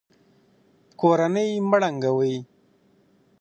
کورنۍ مه ړنګوئ.